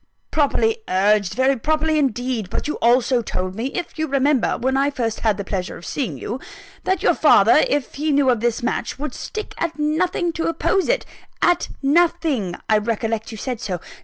"Properly urged very properly, indeed. But you also told me, if you remember, when I first had the pleasure of seeing you, that your father, if he knew of this match, would stick at nothing to oppose it at nothing I recollect you said so.